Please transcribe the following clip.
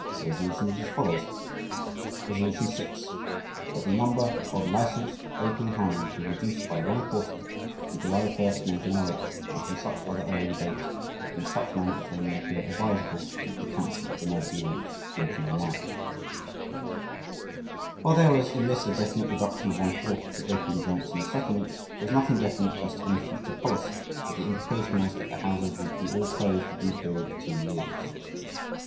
The resolution was as follows: "Resolution VI. That the number of licensed opium houses be reduced by one quarter from July 1, 1908, or from such other early date and in such manner as may appear advisable to the Council for 1908 1909." While there was in this a definite reduction of one fourth of the opium joints in the settlement, there was nothing definite as to any future policy, though the implication was that the houses would be all closed within a period of two years.